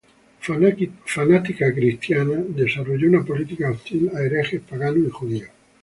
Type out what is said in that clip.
Rigurosa cristiana, desarrolló una política hostil a herejes, paganos y judíos.